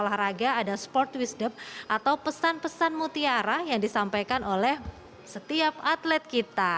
olahraga ada sport wisdop atau pesan pesan mutiara yang disampaikan oleh setiap atlet kita